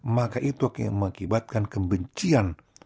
maka itu akan mengakibatkan kebencian